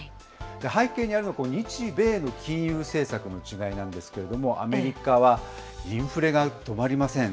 背景にあるのはこの日米の金融政策の違いなんですけれども、アメリカはインフレが止まりません。